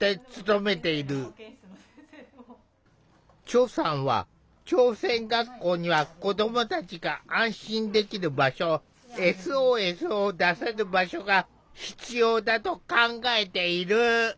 チョさんは「朝鮮学校には子どもたちが安心できる場所ＳＯＳを出せる場所が必要だ」と考えている。